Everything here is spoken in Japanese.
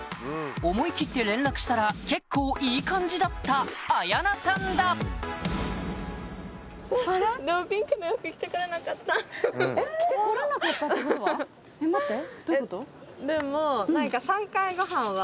思い切って連絡したら結構いい感じだったあやなさんだ待って。